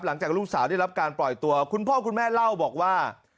หลังจากลูกสาวได้รับการปล่อยตัวคุณพ่อคุณแม่เล่าบอกว่า